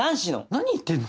何言ってんの？